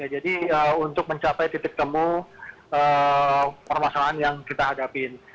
jadi untuk mencapai titik temu permasalahan yang kita hadapin